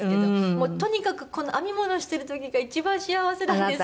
もうとにかくこの編み物してる時が一番幸せなんですけれども。